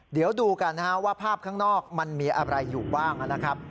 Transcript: เดี๋ยวดูกันนะฮะว่าภาพข้างนอกมันมีอะไรอยู่บ้างนะครับ